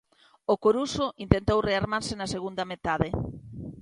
O Coruxo intentou rearmarse na segunda metade.